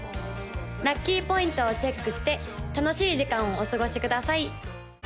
ラッキーポイントをチェックして楽しい時間をお過ごしください！